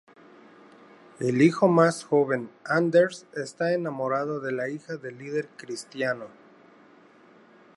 El hijo más joven, Anders, está enamorado de la hija del líder cristiano.